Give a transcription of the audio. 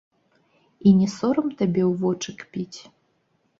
І не сорам табе ў вочы кпіць?